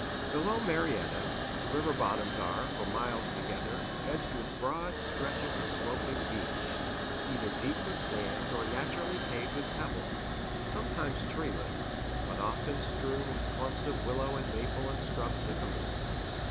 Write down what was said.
Below Marietta, the river bottoms are, for miles together, edged with broad stretches of sloping beach, either deep with sand or naturally paved with pebbles sometimes treeless, but often strewn with clumps of willow and maple and scrub sycamore.